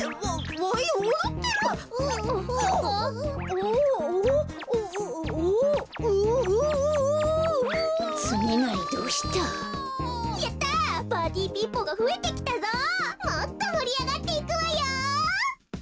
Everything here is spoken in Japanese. もっともりあがっていくわよ！